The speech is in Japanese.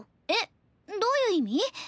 えっどういう意味？